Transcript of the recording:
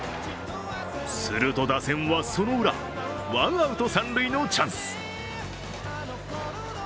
すると打線はそのウラ、ワンアウト三塁のチャンス。